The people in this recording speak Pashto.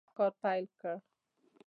کار پیل کړ.